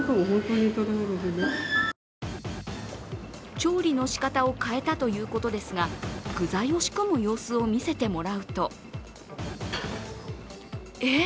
調理の仕方を変えたということですが、具材を仕込む様子を見せてもらうと、えっ！